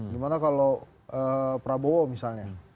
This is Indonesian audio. gimana kalau prabowo misalnya